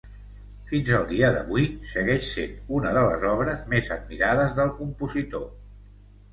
Fins al dia d'avui segueix sent una de les obres més admirades del compositor.